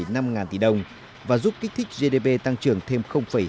hai mươi bảy năm ngàn tỷ đồng và giúp kích thích gdp tăng trưởng thêm hai mươi năm